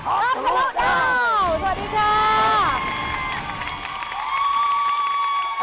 อัพธรรมดาวสวัสดีครับ